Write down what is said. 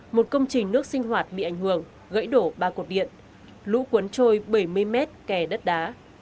một công trình nước sinh hoạt bị ảnh hưởng gãy đổ ba cột điện lũ cuốn trôi bảy mươi mét kè đất đá